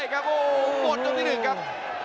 โกรธจมหนึ่งครับ